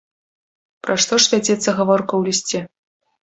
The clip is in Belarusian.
Пра што ж вядзецца гаворка ў лісце?